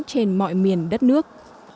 trên mọi miền đất nước